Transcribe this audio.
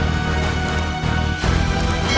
mereka mencari mati